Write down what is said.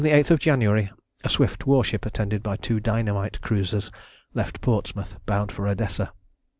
_]On the 8th of January a swift warship, attended by two dynamite cruisers, left Portsmouth, bound for Odessa.